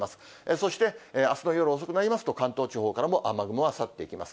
そしてあすの夜遅くなりますと、関東地方からも雨雲は去っていきます。